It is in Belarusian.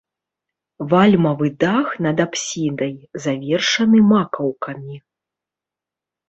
Вальмавы дах над апсідай завершаны макаўкамі.